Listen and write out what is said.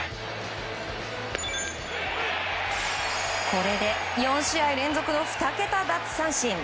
これで４試合連続の２桁奪三振。